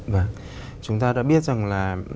vâng chúng ta đã biết rằng là